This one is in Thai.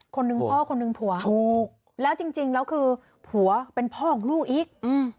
คนหนึ่งพ่อคนหนึ่งผัวถูกแล้วจริงแล้วคือผัวเป็นพ่อของลูกอีก